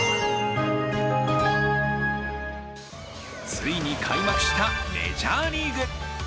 ついに開幕したメジャーリーグ。